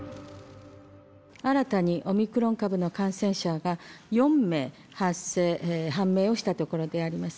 新たにオミクロン株の感染者が４名判明をしたところであります。